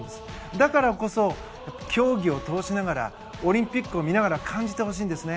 だからこそ競技を通しながらオリンピックを見ながら感じて欲しいんですね。